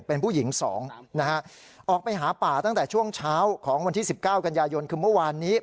เป็นผู้หญิงสองนะฮะออกไปหาป่าตั้งแต่ช่วงเช้าของวันที่๑๙กันยายนคือเมื่อวานนี้